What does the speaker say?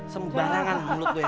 sembarangan mulut gue